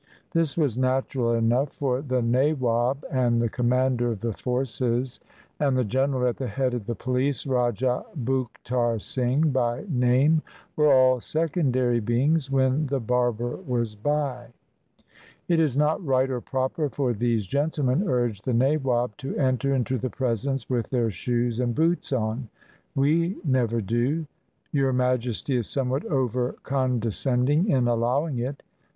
This was natural enough; for the nawab and the commander of the forces and the ''gen eral" at the head of the police, Rajah Buktar Singh by name, were all secondary beings when the barber was by. "It is not right or proper for these gentlemen," urged the nawab, "to enter into the presence with their shoes and boots on. We never do. Your Majesty is somewhat over condescending in allowing it.